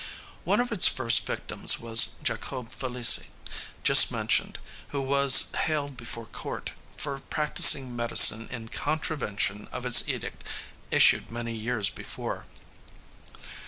One of its first victims was Jacobe Felicie, just mentioned, who was hailed before court for practicing medicine in contravention of its edict issued many years before.